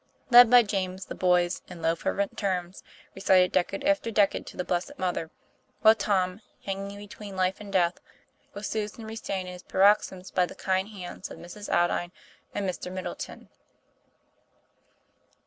Led by James, the boys, in low, fervent tones, TOM PLAYFAIR. 237 recited decade after decade to the Blessed Mother; while Tom, hanging between life and death, was soothed and restrained in his paroxysms by the kind hands of Mrs. Aldine and Mr. Middleton.